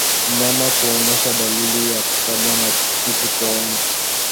Mnyama kuonyesha dalili ya kukabwa na kitu kooni